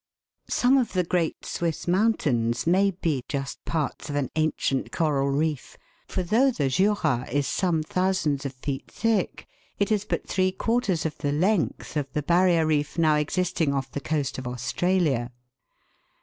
141 Some of the great Swiss mountains may be just parts of an ancient coral reef, for though the Jura is some thousands of feet thick, it is but three quarters of the length of the barrier reef now existing off the coast of Australia; and FIG.